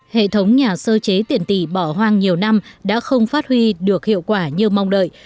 hệ thống nhà sơ chế tiền tỷ bỏ hoang nhiều năm đã không phát huy được hiệu quả như mong đợi